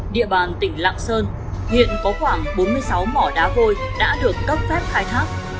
địa bàn tỉnh lạng sơn hiện có khoảng bốn mươi sáu mỏ đá vôi đã được cấp phép khai thác